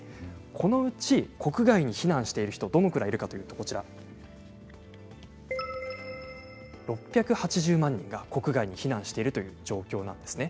このうち国外に避難している人はどのくらいいるかといいますと６８０万人が国外に避難しているという状況です。